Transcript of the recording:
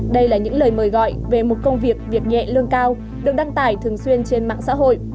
đây là những lời mời gọi về một công việc việc nhẹ lương cao được đăng tải thường xuyên trên mạng xã hội